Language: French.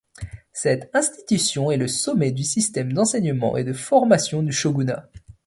Cette institution est le sommet du système d'enseignement et de formation du shogunat.